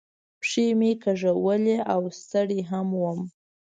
پښې مې کاږولې او ستړی هم ووم.